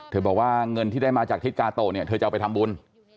บอกว่าเงินที่ได้มาจากทิศกาโตะเนี่ยเธอจะเอาไปทำบุญ